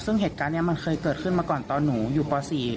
ซึ่งเหตุการณ์นี้มันเคยเกิดขึ้นมาก่อนตอนหนูอยู่ป๔